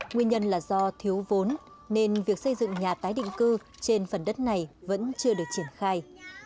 nguyên nhân là do thiếu vốn nên việc xây dựng nhà tái định cư trên phần đất này vẫn chưa được triển khai